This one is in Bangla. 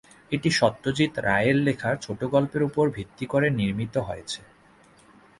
এটি সত্যজিৎ রায়ের লেখা ছোটগল্পের উপর ভিত্তি করে নির্মিত হয়েছে।